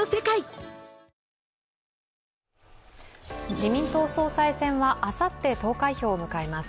自民党総裁選はあさって投開票を迎えます。